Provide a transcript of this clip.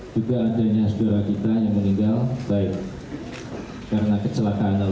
juga adanya saudara kita yang meninggal baik karena kecelakaan lalu